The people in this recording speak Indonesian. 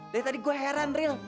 dari tadi gue heran real